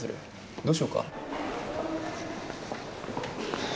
どうしよっか？